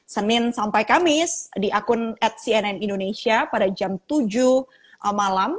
senin sampai kamis di akun at cnn indonesia pada jam tujuh malam